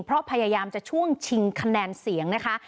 เพราะพยายามจะช่วงชิงคะแนนเสียงนะคะ